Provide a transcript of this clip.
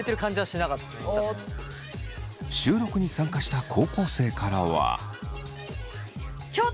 収録に参加した高校生からは。